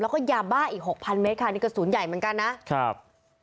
แล้วก็ยาบ้าอีกหกพันเมตรค่ะนี่กระสุนใหญ่เหมือนกันนะครับ